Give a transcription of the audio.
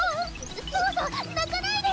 そうそう！なかないで！